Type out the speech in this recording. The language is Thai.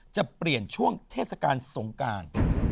จะเปลี่ยนช่วงเทศกาลสงการ